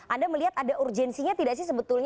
anda melihat ada urgensinya tidak sih sebetulnya